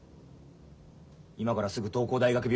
今からすぐ東光大学病院に行け。